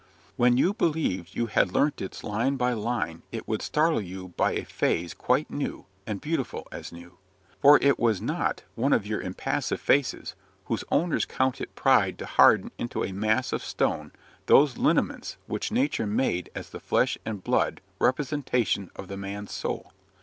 When you believed you had learnt it line by line it would startle you by a phase quite new, and beautiful as new. For it was not one of your impassive faces, whose owners count it pride to harden into a mass of stone those lineaments which nature made as the flesh and blood representation of the man's soul.